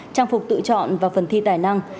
trang phục tự chọn và phần thi tài năng